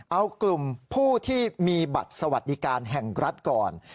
เอากลุ่มผู้ที่มีบัตรสวัสดิการแห่งรัฐก่อน